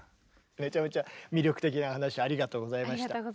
めちゃめちゃ魅力的な話ありがとうございました。